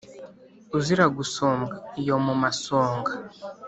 Uzira gusumbwa iyo mu masonga